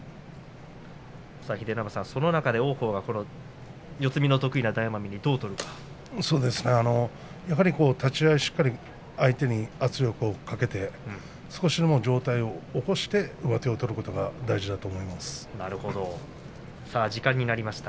秀ノ山さん、その中で王鵬、四つ身の得意な大奄美にやはり立ち合いしっかり相手に圧力をかけて少しでも上体を起こして上手を取ることが大事だと思います。